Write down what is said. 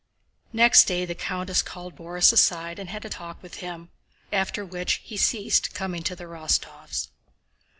Next day the countess called Borís aside and had a talk with him, after which he ceased coming to the Rostóvs'.